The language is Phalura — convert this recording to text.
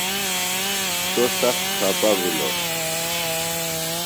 سوۡ سخت خپہ بِھلوۡ۔